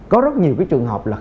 có rất nhiều cái trường hợp là